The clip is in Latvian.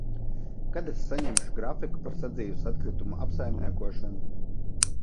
Kad es saņemšu grafiku par sadzīves atkritumu apsaimniekošanu?